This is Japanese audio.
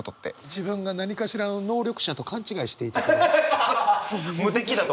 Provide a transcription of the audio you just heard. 自分が何かしらの能力者と勘違いしていたころ。